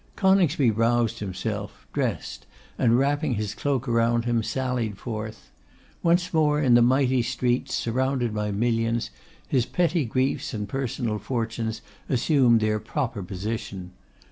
Coningsby roused himself, dressed, and wrapping his cloak around him, sallied forth. Once more in the mighty streets, surrounded by millions, his petty griefs and personal fortunes assumed their proper position.